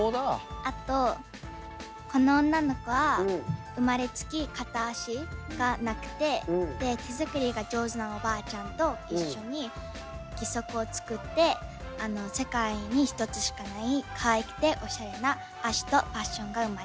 あとこの女の子は生まれつき片足がなくて手作りが上手なおばあちゃんと一緒に義足を作って世界に１つしかないかわいくておしゃれな足とパッションが生まれます。